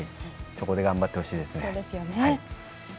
そこで頑張ってほしいです。